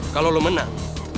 kalau lo menang